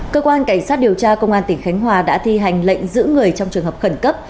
cơ quan cảnh sát điều tra công an tỉnh khánh hòa đã thi hành lệnh giữ người trong trường hợp khẩn cấp